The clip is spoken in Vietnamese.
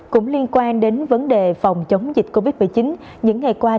cũng liên quan đến vấn đề phòng chống dịch covid một mươi chín những ngày qua